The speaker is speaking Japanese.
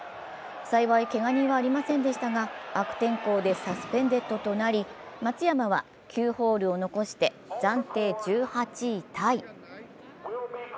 幸いけが人はありませんでしたが、悪天候でサスペンデッドとなり、松山は９ホールを残して暫定１８位タイ。